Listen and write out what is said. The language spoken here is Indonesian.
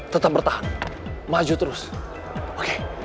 tetap bertahan maju terus oke